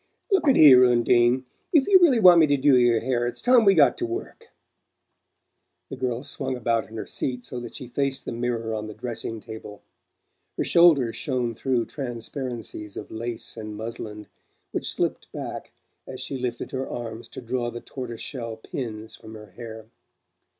"Look at here, Undine, if you really want me to do your hair it's time we got to work." The girl swung about in her seat so that she faced the mirror on the dressing table. Her shoulders shone through transparencies of lace and muslin which slipped back as she lifted her arms to draw the tortoise shell pins from her hair.